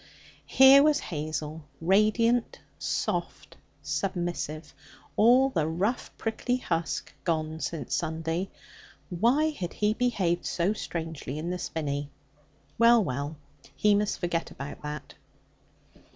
Here was Hazel, radiant, soft, submissive, all the rough prickly husk gone since Sunday. Why had he behaved so strangely in the Spinney? Well, well, he must forget about that.